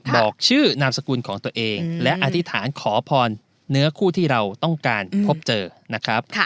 บอกชื่อนามสกุลของตัวเองและอธิษฐานขอพรเนื้อคู่ที่เราต้องการพบเจอนะครับ